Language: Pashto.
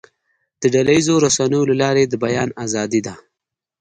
د ډله ییزو رسنیو له لارې د بیان آزادي ده.